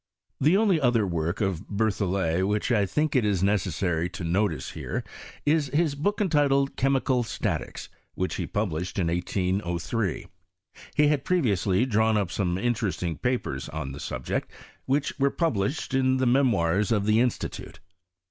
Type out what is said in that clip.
The only other work of Berthollet, which I think it necessary to notice here, is his book entitled " Che mical Statics," which he published in 1803. He had previously drawn up some interesting papers on the subject, which were published in the Memoirs of the Institute.